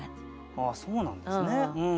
あっそうなんですね。